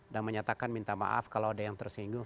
dan menyatakan minta maaf kalau ada yang tersinggung